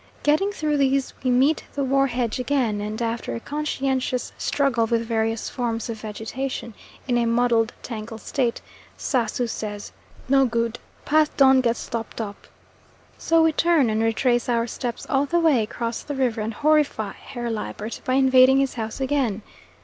Getting through these we meet the war hedge again, and after a conscientious struggle with various forms of vegetation in a muddled, tangled state, Sasu says, "No good, path done got stopped up," so we turn and retrace our steps all the way, cross the river, and horrify Herr Liebert by invading his house again.